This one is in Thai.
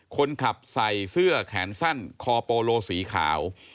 คนขับใส่เสื้อแขนสั้นคอโปโลสีขาว